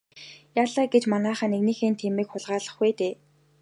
Яалаа гэж манайхан нэгнийхээ тэмээг хулгайлах вэ дээ.